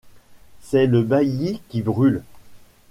C’est le bailli qui brûle.